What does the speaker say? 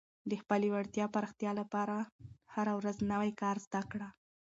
د خپلې وړتیا پراختیا لپاره هره ورځ نوی کار زده کړه.